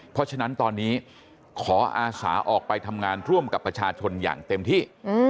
เพราะฉะนั้นตอนนี้ขออาสาออกไปทำงานร่วมกับประชาชนอย่างเต็มที่